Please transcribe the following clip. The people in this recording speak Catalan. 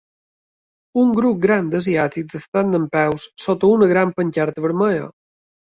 Un grup gran d'asiàtics estan dempeus sota una gran pancarta vermella.